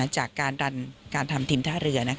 จากการทำทีมท่าเรือ